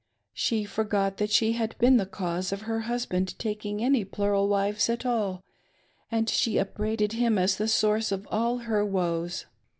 She forgot that she had been the cause of her husband taking any plural wives at all, and she upbraided him as the source of all her woes.